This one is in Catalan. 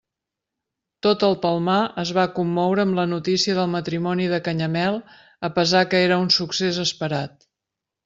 Tot el Palmar es va commoure amb la notícia del matrimoni de Canyamel a pesar que era un succés esperat.